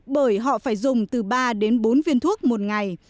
bởi họ phải dùng từ ba đến bốn viên thuốc một ngày